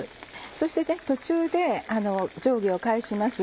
そして途中で上下を返します。